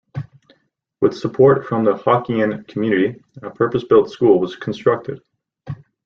With support from the Hokkien community, a purpose-built school was constructed.